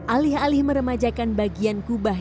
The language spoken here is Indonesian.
alih alih meremajakan bagian kubah